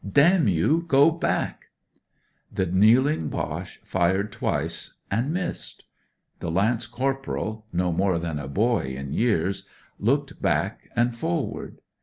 Damn you, go back !" The kneeling Boche fired twice, and missed. The lance corporal — ^no more than a boy in years — ^looked back and forward.